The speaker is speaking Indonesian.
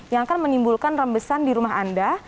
yang akan menimbulkan rembesan di rumah anda